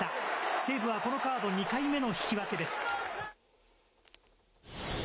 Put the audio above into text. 西武はこのカード、２回目の引き分けです。